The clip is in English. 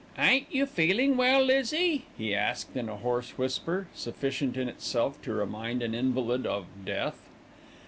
"Ain't you feelin' well, Lizzie?" he asked in a hoarse whisper, sufficient in itself to remind an invalid of death.